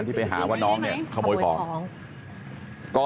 ลูกสาวหลายครั้งแล้วว่าไม่ได้คุยกับแจ๊บเลยลองฟังนะคะ